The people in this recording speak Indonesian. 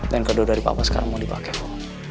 dan kedua dari papa sekarang mau dipake ho